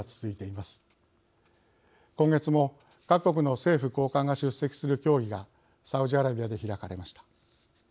今月も各国の政府高官が出席する協議がサウジアラビアで開かれました。